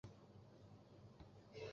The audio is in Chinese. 世代务农。